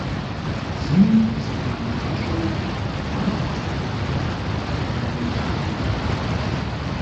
Зыми зыкърамыгъащӏэу, магъ цӏыхухъухэр нэрымылъагъуу.